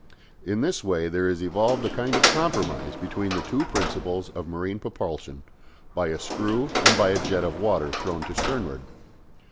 In this way there is evolved a kind of compromise between the two principles of marine propulsion, by a screw and by a jet of water thrown to sternward.